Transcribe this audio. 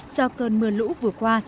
do cơn mưa lũ vừa qua